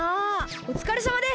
おつかれさまです！